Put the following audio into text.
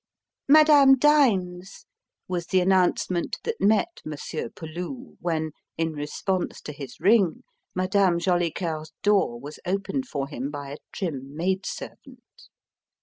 "Madame dines," was the announcement that met Monsieur Peloux when, in response to his ring, Madame Jolicoeur's door was opened for him by a trim maid servant.